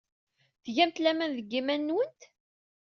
Tgamt laman deg yiman-nwent?